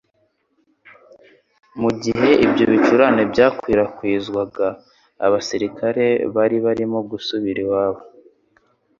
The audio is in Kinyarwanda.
Mu gihe ibyo bicurane byakwiragiraga, abasirikare bari barimo gusubira iwabo